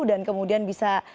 dan kemudian bisa